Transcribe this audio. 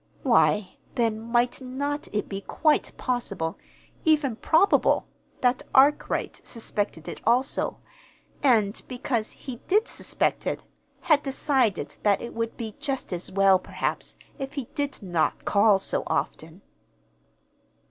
Why, then, might not it be quite possible, even probable, that Arkwright suspected it, also; and, because he did suspect it, had decided that it would be just as well, perhaps, if he did not call so often.